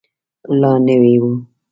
لا نوی و.